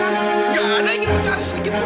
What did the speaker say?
tidak ada ingin mencari segitu